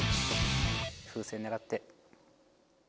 風船狙って。